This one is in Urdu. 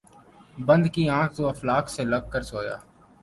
بند کی آنکھ ، تو افلاک سے لگ کر سویا